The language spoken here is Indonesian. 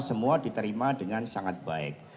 semua diterima dengan sangat baik